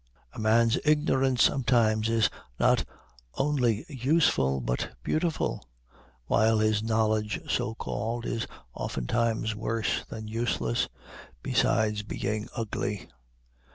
A man's ignorance sometimes is not only useful, but beautiful, while his knowledge, so called, is oftentimes worse than useless, besides being ugly.